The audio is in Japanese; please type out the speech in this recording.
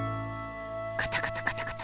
カタカタカタカタ。